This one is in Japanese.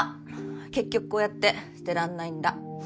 結局こうやって捨てらんないんだ。